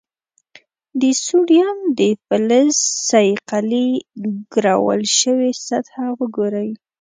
د سوډیم د فلز صیقلي ګرول شوې سطحه وګورئ.